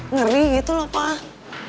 ngeri gitu loh pak